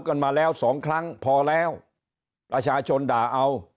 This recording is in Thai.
กันมาแล้วสองครั้งพอแล้วประชาชนด่าเอา